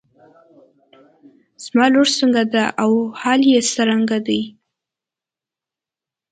زما لور څنګه ده او حال يې څرنګه دی.